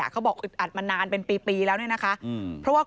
เขาบอกอึดอัดมานานเป็นปีแล้ว